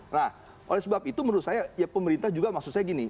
nah oleh sebab itu menurut saya ya pemerintah juga maksud saya gini